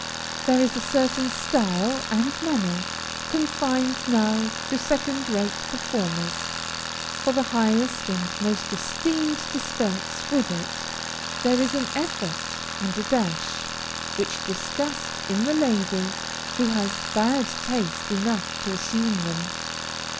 There is a certain style and manner confined now to second rate performers, for the highest and most esteemed dispense with it there is an effort and a dash, which disgust in the lady who has bad taste enough to assume them.